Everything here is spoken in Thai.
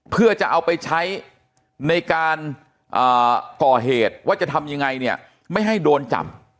เพื่อจะเอาไปใช้ในการก่อเหตุว่าจะทำยังไงเนี่ยไม่ให้โดนจับ